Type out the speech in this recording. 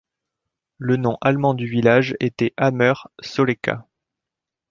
Le nom allemand du village était Hammer - Solecka.